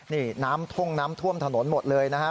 นี่น้ำท่วมถนนหมดเลยนะฮะ